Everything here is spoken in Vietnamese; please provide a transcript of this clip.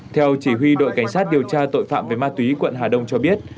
theo chỉ huy đội cảnh sát điều tra tội phạm về ma túy quận hà đông cho biết